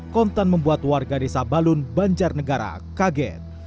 kontan membuat warga desa balun banjarnegara kaget